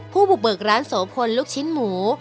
ผู้บุกเบิกร้านโสพลลูกชิ้นหมู